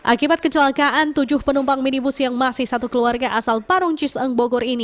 akibat kecelakaan tujuh penumpang minibus yang masih satu keluarga asal parung ciseng bogor ini